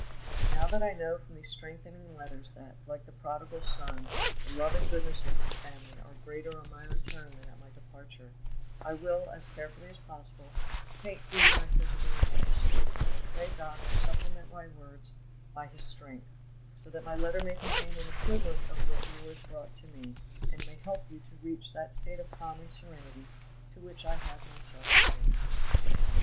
"Now that I know from these strengthening letters that, like the prodigal son, the love and goodness of my family are greater on my return than at my departure, I will, as carefully as possible, paint for you my physical and moral state, and I pray God to supplement my words by His strength, so that my letter may contain an equivalent of what yours brought to me, and may help you to reach that state of calm and serenity to which I have myself attained.